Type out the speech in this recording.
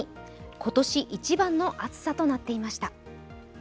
今年一番の暑さとなっていました。